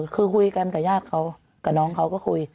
คือคุยกันกับญาติเขากับน้องเขาก็คุย